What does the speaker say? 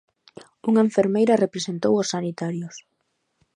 Unha enfermeira representou aos sanitarios.